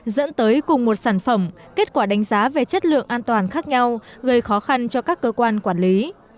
dẫn tới cùng một sản phẩm kết quả đánh giá về chất lượng an toàn khác nhau gây khó khăn cho các cơ quan quản lý